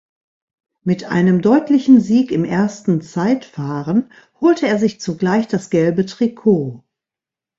Mit einem deutlichen Sieg im ersten Zeitfahren holte er sich zugleich das Gelbe Trikot.